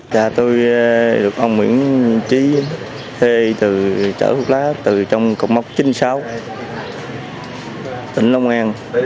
dạ tôi được ông nguyễn trí thê từ trở thuốc lá từ trong cổng mốc chín mươi sáu tỉnh long an